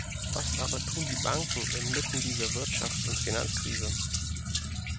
Was aber tun die Banken inmitten dieser Wirtschafts- und Finanzkrise?